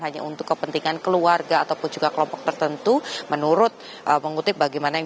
hanya untuk kepentingan keluarga ataupun juga kelompok tertentu menurut mengutip bagaimana yang